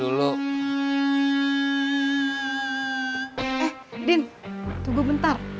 eh din tunggu bentar